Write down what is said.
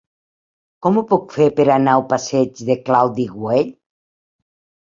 Com ho puc fer per anar al passeig de Claudi Güell?